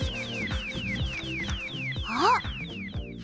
あっ！